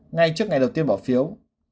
ngay trước ngày đầu tiên bỏ phiếu